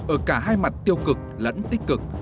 ở cả hai mặt tiêu cực lẫn tích cực